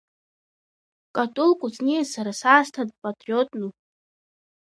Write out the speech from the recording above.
Катул Кәыҵниа сара саасҭа дпатриотну?